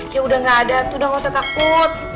ya udah gak ada tuh udah gak usah takut